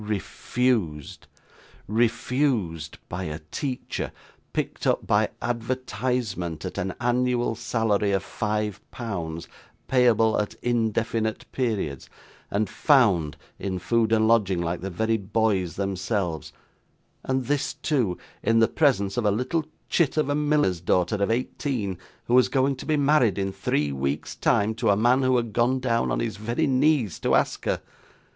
Refused! refused by a teacher, picked up by advertisement, at an annual salary of five pounds payable at indefinite periods, and 'found' in food and lodging like the very boys themselves; and this too in the presence of a little chit of a miller's daughter of eighteen, who was going to be married, in three weeks' time, to a man who had gone down on his very knees to ask her.